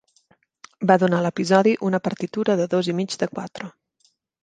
Va donar l'episodi una partitura de dos i mig de quatre.